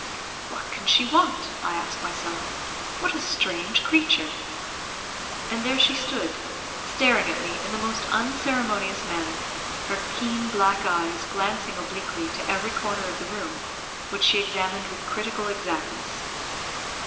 "What can she want?" I asked myself. "What a strange creature!" And there she stood, staring at me in the most unceremonious manner, her keen black eyes glancing obliquely to every corner of the room, which she examined with critical exactness.